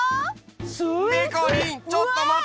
スイス。でこりんちょっとまって！